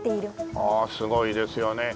あっすごいですよね。